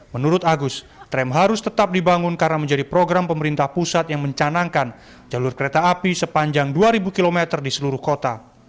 menurut agus tram harus tetap dibangun karena menjadi program pemerintah pusat yang mencanangkan jalur kereta api sepanjang dua ribu km di seluruh kota